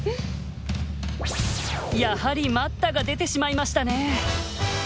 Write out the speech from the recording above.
やはり「待った！」が出てしまいましたね。